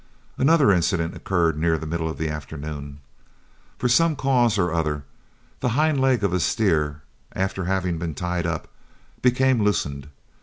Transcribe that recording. Another incident occurred near the middle of the afternoon. From some cause or other, the hind leg of a steer, after having been tied up, became loosened.